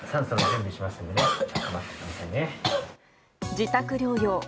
自宅療養。